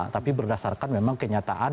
tapi berdasarkan memang kenyataan